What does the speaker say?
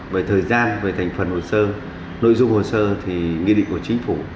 về thời gian về thành phần hồ sơ nội dung hồ sơ thì nghị định của chính phủ